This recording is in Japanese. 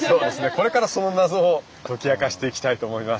これからその謎を解き明かしていきたいと思います。